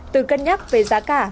từ cân nhắc về giá cả